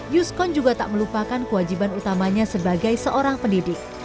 yuskon juga tak melupakan kewajiban utamanya sebagai seorang pendidik